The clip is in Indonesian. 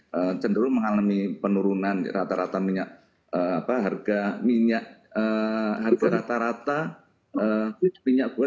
jadi cenderung mengalami penurunan rata rata harga minyak harga rata rata minyak goreng